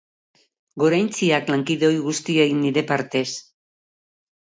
Goraintziak lankide ohi guztiei nire partez.